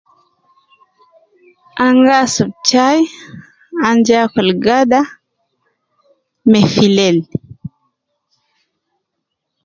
An gi asurub chai an ja akul gada me filel